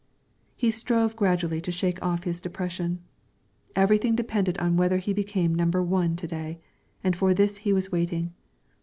He strove gradually to shake off his depression. Everything depended on whether he became number one to day, and for this he was waiting.